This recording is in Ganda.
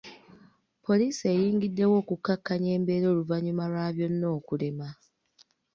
Poliisi eyingiddewo okukakkanya embeera oluvannyuma lwa byonna okulema.